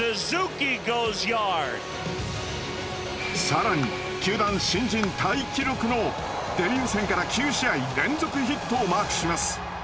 更に球団新人タイ記録のデビュー戦から９試合連続ヒットをマークします。